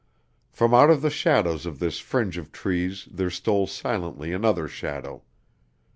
From out of the shadows of this fringe of trees there stole silently another shadow.